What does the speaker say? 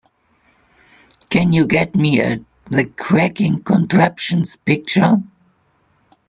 Can you get me the Cracking Contraptions picture?